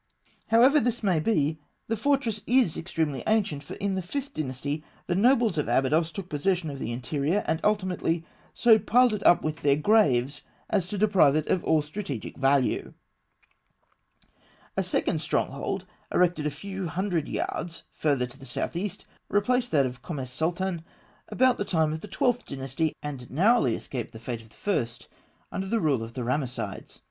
However this may be, the fortress is extremely ancient, for in the Fifth Dynasty, the nobles of Abydos took possession of the interior, and, ultimately, so piled it up with their graves as to deprive it of all strategic value. A second stronghold, erected a few hundred yards further to the south east, replaced that of Kom es Sultan about the time of the Twelfth Dynasty, and narrowly escaped the fate of the first, under the rule of the Ramessides.